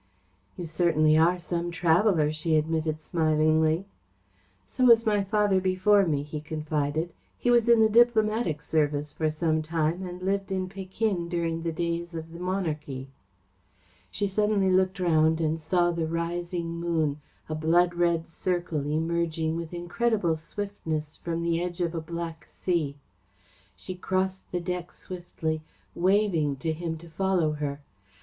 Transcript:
"You certainly are some traveller," she admitted smilingly. "So was my father before me," he confided. "He was in the Diplomatic Service for some time, and lived in Pekin during the days of the Monarchy." She suddenly looked around and saw the rising moon, a blood red circle emerging with incredible swiftness from the edge of a black sea. She crossed the deck swiftly, waving to him to follow her.